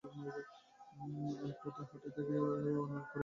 আলপথ দিয়ে হাঁটতে গিয়ে তারা অনুভব করে ভিজে ঘাসে শিশিরের আদর।